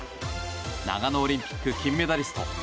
長野オリンピック金メダリスト